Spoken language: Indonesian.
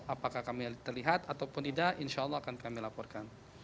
apakah kami terlihat ataupun tidak insya allah akan kami laporkan